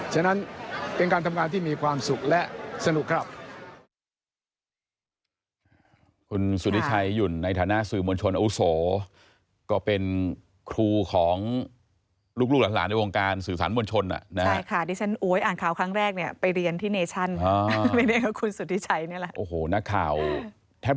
ฉะนั้นเป็นการทำงานที่มีความสุขและสนุกครับ